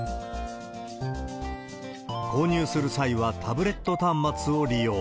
購入する際はタブレット端末を利用。